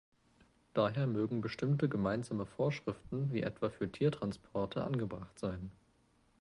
Daher mögen bestimmte gemeinsame Vorschriften, wie etwa für Tiertransporte, angebracht sein.